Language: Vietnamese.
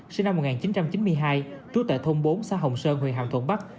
sinh năm một nghìn chín trăm chín mươi hai trú tại thôn bốn xã hồng sơn huyện hàm thuận bắc